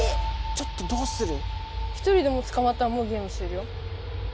ちょっとどうする？